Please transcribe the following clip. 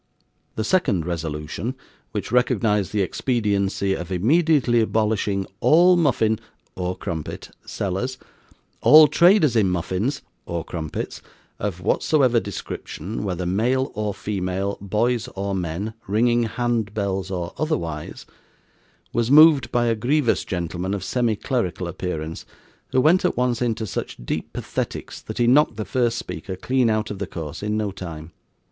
The second resolution, which recognised the expediency of immediately abolishing 'all muffin (or crumpet) sellers, all traders in muffins (or crumpets) of whatsoever description, whether male or female, boys or men, ringing hand bells or otherwise,' was moved by a grievous gentleman of semi clerical appearance, who went at once into such deep pathetics, that he knocked the first speaker clean out of the course in no time.